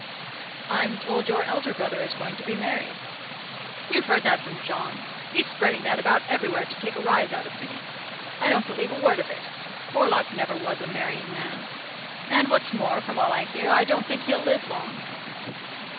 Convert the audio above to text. "I'm told your elder brother is going to be married." "You've heard that from John. He's spreading that about everywhere to take a rise out of me. I don't believe a word of it. Porlock never was a marrying man; and, what's more, from all I hear, I don't think he'll live long."